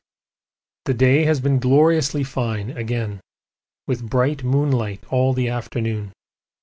The day has been gloriously fine again, with bright moonlight all the afternoon.